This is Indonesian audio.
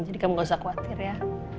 jadi kamu gak usah khawatir ya